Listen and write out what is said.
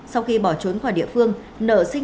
sau khi bỏ trốn khỏi địa phương nở giữ được tài sản